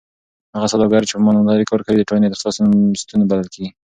هغه سوداګر چې په امانتدارۍ کار کوي د ټولنې د اقتصاد ستون بلل کېږي.